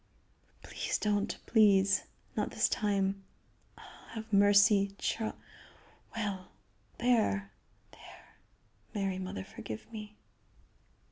"Please don't, please! Not this time. Ah! have mercy, Charl Well! There!... There!... Mary mother, forgive me."